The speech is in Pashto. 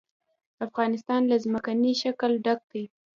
افغانستان له ځمکنی شکل ډک دی.